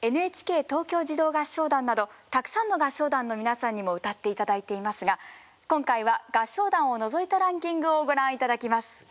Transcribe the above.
ＮＨＫ東京児童合唱団などたくさんの合唱団の皆さんにも歌って頂いていますが今回は合唱団を除いたランキングをご覧頂きます。